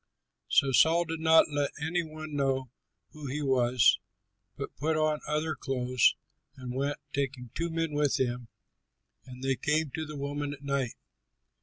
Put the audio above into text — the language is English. So Saul did not let any one know who he was, but put on other clothes and went, taking two men with him. And they came to the woman at night.